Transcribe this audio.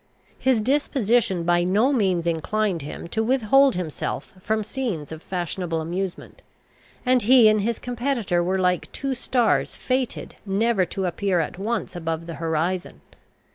His disposition by no means inclined him to withhold himself from scenes of fashionable amusement; and he and his competitor were like two stars fated never to appear at once above the horizon.